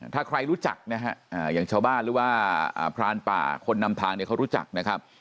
ถ้าใครรู้จักนะฮะอย่างชาวบ้านหรือว่าพรานป่าคนนำทางเนี่ยเขารู้จักนะครับ